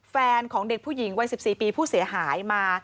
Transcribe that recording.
แฟนของเด็กผู้หญิงวัย๑๔ปีผู้เสียหายมา